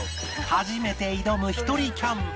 初めて挑むひとりキャンプ